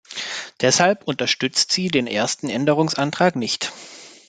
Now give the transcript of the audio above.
Deshalb unterstützt sie den ersten Änderungsantrag nicht.